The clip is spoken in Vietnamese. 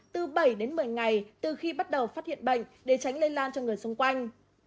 từ bảy đến một mươi ngày từ khi bắt đầu phát hiện bệnh để tránh lây lan cho người xung quanh